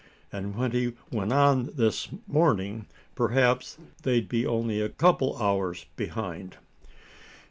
And when he went on this morning, perhaps they'd be only a couple of hours behind."